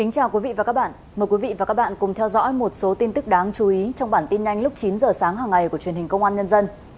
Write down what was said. chào mừng quý vị đến với bản tin nhanh lúc chín h sáng hằng ngày của truyền hình công an nhân dân